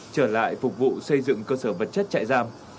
trở lại phục vụ xây dựng cơ sở vật chất chạy giam